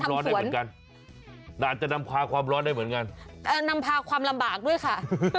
มันก็อาจจะนำพาความร้อนได้เหมือนกันนำพาความลำบากด้วยค่ะ